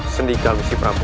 sendika gusti prabu